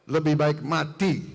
lebih baik mati